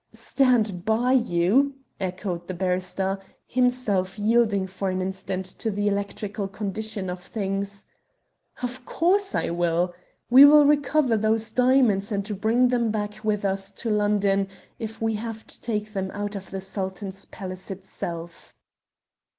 "Stand by you!" echoed the barrister, himself yielding for an instant to the electrical condition of things. "Of course I will. We will recover those diamonds and bring them back with us to London if we have to take them out of the Sultan's palace itself!"